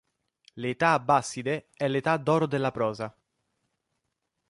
L'età abbaside è l'età d’oro della prosa.